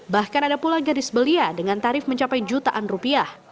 bahkan ada pula gadis belia dengan tarif mencapai jutaan rupiah